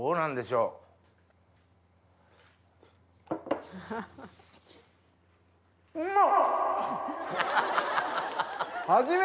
うまっ！